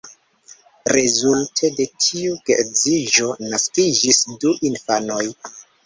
Rezulte de tiu geedziĝo naskiĝis du infanoj.